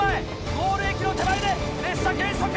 ゴール駅の手前で列車減速！